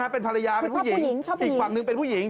เป็นภรรยาเป็นผู้หญิงอีกฝั่งหนึ่งเป็นผู้หญิง